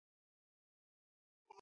ښتې د افغانستان د پوهنې نصاب کې شامل دي.